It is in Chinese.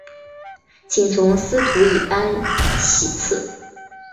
请从司徒以班徙次。